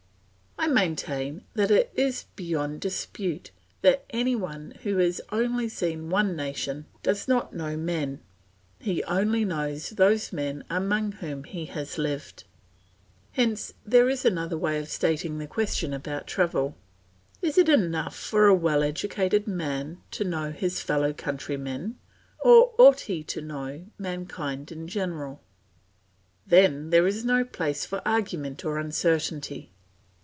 I maintain that it is beyond dispute that any one who has only seen one nation does not know men; he only knows those men among whom he has lived. Hence there is another way of stating the question about travel: "Is it enough for a well educated man to know his fellow countrymen, or ought he to know mankind in general?" Then there is no place for argument or uncertainty.